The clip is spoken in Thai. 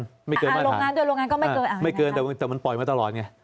โรงงานด้วยโรงงานก็ไม่เกินไม่เกินแต่มันปล่อยมาตลอดไง